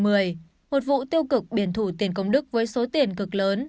một vụ tiêu cực biển thủ tiền công đức với số tiền cực lớn